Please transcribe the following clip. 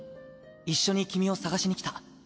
一緒に君を捜しに来た。